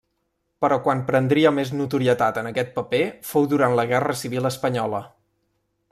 Però quan prendria més notorietat en aquest paper fou durant la guerra civil espanyola.